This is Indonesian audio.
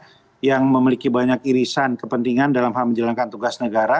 pemerintah yang memiliki banyak irisan kepentingan dalam hal menjalankan tugas negara